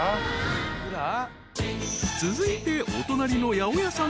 ［続いてお隣の八百屋さんで］